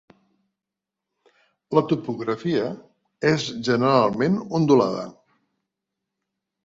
La topografia és generalment ondulada.